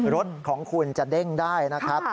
รถของคุณจะเด้งได้นะครับ